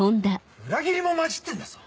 裏切り者混じってんだぞ？